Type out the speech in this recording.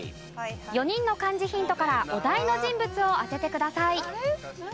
４人の漢字ヒントからお題の人物を当ててください。